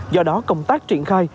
do đó công tác triển khai